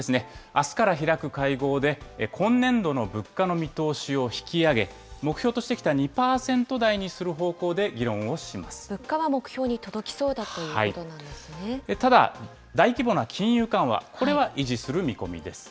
あすから開く会合で、今年度の物価の見通しを引き上げ、目標としてきた２％台にする方向で議論を物価は目標に届きそうだといただ、大規模な金融緩和、これは維持する見込みです。